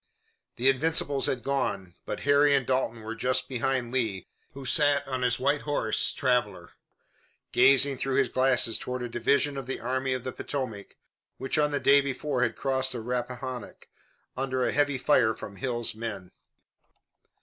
The Invincibles had gone, but Harry and Dalton were just behind Lee, who sat on his white horse, Traveler, gazing through his glasses toward a division of the Army of the Potomac which on the day before had crossed the Rappahannock, under a heavy fire from Hill's men.